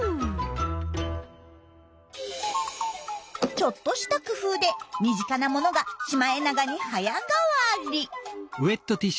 ちょっとした工夫で身近なものがシマエナガに早変わり！